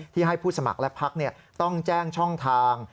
ให้ผู้สมัครและพักต้องแจ้งช่องทาง